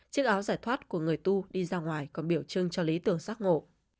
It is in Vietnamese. chiếc áo giải thoát của người tu đi ra ngoài còn biểu trưng cho lý tưởng giác ngộ